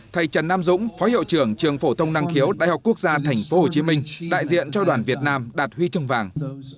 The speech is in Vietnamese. thầy trần nam dũng phó hiệu trưởng trường phổ thông năng khiếu đại học quốc gia tp hcm đại diện cho đoàn việt nam đạt huy chương vàng